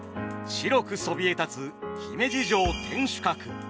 白くそびえ立つ姫路城天守閣。